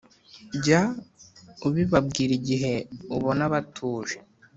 Jya ubibabwira igihe ubona batuje